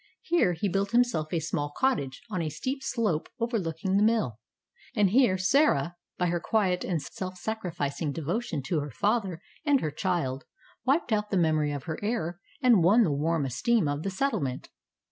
Here he built himself a small cottage, on a steep slope overlooking the mill; and here Sarah, by her quiet and self sacrificing devotion to her father and her child, wiped out the memory of her error and won the warm esteem of the settlement.